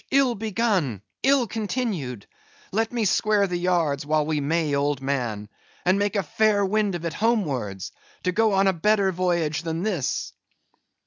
ill begun, ill continued; let me square the yards, while we may, old man, and make a fair wind of it homewards, to go on a better voyage than this."